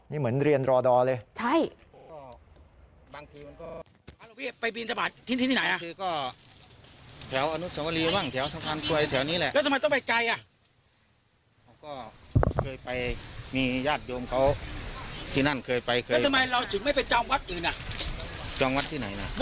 นี่เหมือนเรียนรอดอเลยใช่